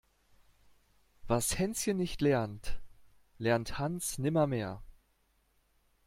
Was Hänschen nicht lernt, lernt Hans nimmer mehr.